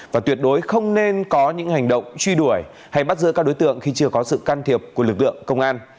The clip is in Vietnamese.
và tuyệt đối không nên có những hành động truy đuổi hay bắt giữ các đối tượng khi chưa có sự can thiệp của lực lượng công an